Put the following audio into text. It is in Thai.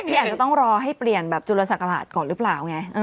อันนี้อาจจะต้องรอให้เปลี่ยนแบบจุฬสัตว์ศักราชก่อนหรือเปล่าไง